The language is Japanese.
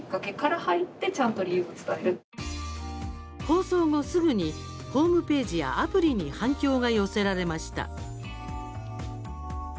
放送後、すぐにホームページやアプリに反響が寄せられました。